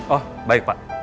oh baik pak